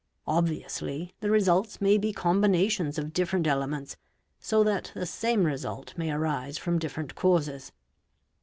Obviously the results may be combinations of different elements, so that the same result may arise from different causes.